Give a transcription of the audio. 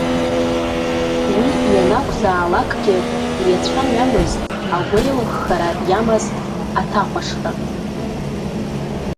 Уи ианакәзаалакгьы иацәаҩамызт агәеилыххара иамаз аҭахәаҽра.